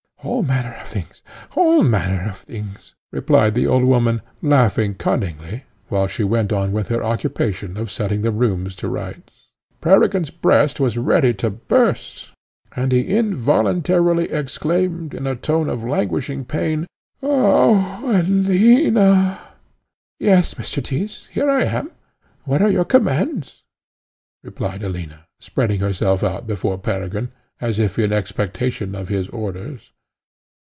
"All manner of things! all manner of things!" replied the old woman, laughing cunningly, while she went on with her occupation of setting the rooms to rights. Peregrine's breast was ready to burst, and he involuntarily exclaimed, in a tone of languishing pain, "Ah! Alina!" "Yes, Mr. Tyss, here I am; what are your commands?" replied Alina, spreading herself out before Peregrine, as if in expectation of his orders.